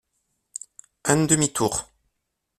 Un demi-tour.